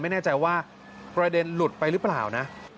ไม่แน่ใจว่าประเด็นหลุดไปหรือเปล่านะ